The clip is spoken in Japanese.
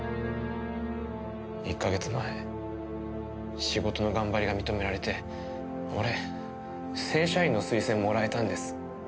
１か月前仕事の頑張りが認められて俺正社員の推薦もらえたんです。